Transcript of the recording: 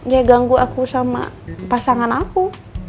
ya ganggu aku sama pasangan aku